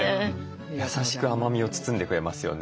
優しく甘みを包んでくれますよね。